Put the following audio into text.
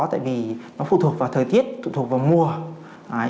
tại vì nó phụ thuộc vào thời tiết phụ thuộc vào mùa